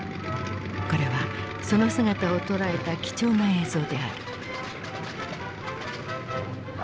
これはその姿を捉えた貴重な映像である。